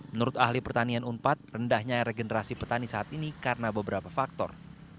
menurut ahli pertanian unpad rendahnya regenerasi petani saat ini karena beberapa faktor